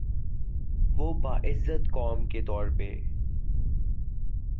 وہ باعزت قوم کے طور پہ